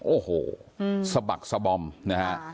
โอ้โหสะบักสะบอมนะฮะ